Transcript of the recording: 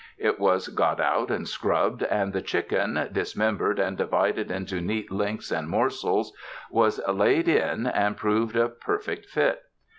It was got out and scrubbed, and the chicken, dismembered and divided into neat lengths and morsels, was laid in and proved a perfect fit.